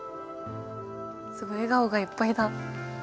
すごい笑顔がいっぱいだ。